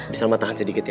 bi salma tahan sedikit ya